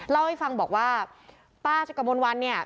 เล่าให้ฟังบอกว่าป้ากระมวลวันเนี่ย